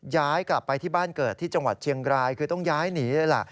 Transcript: ย้ายกลับไปที่บ้านเกิดที่จังหวัดเชียงรายคือต้องย้ายหนีเลยล่ะ